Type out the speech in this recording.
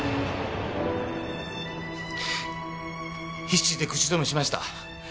必死で口止めしました。